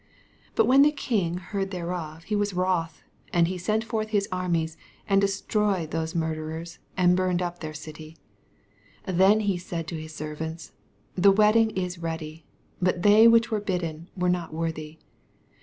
7 But when the king heard thereof^ he was wroth : and he sent forth his armies, and destroyed those murder ers, and burned up their city. 8 Then saith he to his servants, The wedding is ready, but they which were bidden were not worthy.